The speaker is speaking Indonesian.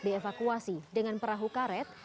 dievakuasi dengan perahu karet